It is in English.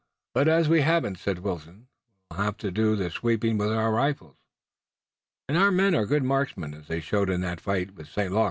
"But as we haven't," said Wilton, "we'll have to do the sweeping with our rifles." "And our men are good marksmen, as they showed in that fight with St. Luc.